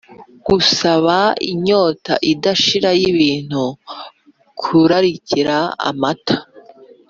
gusaba n’inyota idashira y’ibintu. kurarikira, amata